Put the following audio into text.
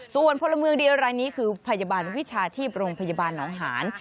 ส่วนพลเมืองเดียวรายนี้คือพยาบาลวิชาชีพโรงพยาบาลหนองหาน